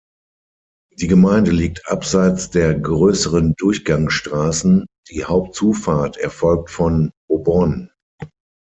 Die Gemeinde liegt abseits der grösseren Durchgangsstrassen, die Hauptzufahrt erfolgt von Aubonne.